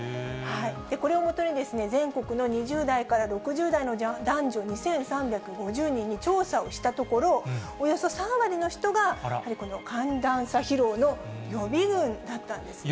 これをもとに、全国の２０代から６０代の男女２３５０人に調査をしたところ、およそ３割の人が寒暖差疲労の予備軍だったんですね。